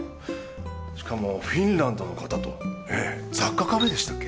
しかもフィンランドの方と雑貨カフェでしたっけ？